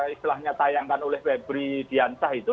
istilahnya tayangkan oleh pebri diansah itu